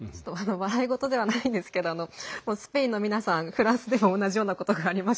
笑い事ではないんですけどスペインの皆さんフランスでも同じようなことがありました。